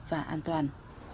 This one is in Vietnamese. và an toàn